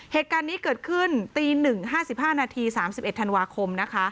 เหตุการณ์นี้เกิดขึ้นตี๐๑๕๕น๓๑ธันวาคม